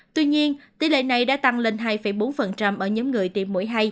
tuy nhiên tỷ lệ này đã tăng lên hai bốn ở nhóm người tiêm mũi hai